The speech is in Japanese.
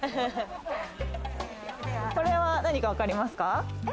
これは何かわかりますか？